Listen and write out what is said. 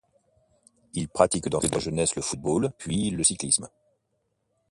Il pratique dans sa jeunesse le football, puis le cyclisme.